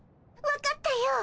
分かったよ。